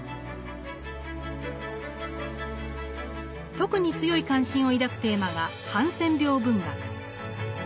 特に強い関心を抱くテーマがハンセン病文学。